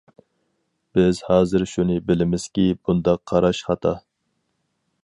بىز ھازىر شۇنى بىلىمىزكى، بۇنداق قاراش خاتا.